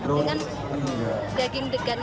akhirnya kita coba kita minum dengan jamur ini